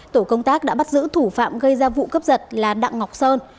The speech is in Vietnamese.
tổ công tác đã bắt giữ thủ phạm gây ra vụ cướp giật là đặng ngọc sơn